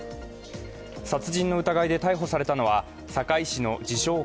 殺人の疑いで逮捕されたのは堺市の自称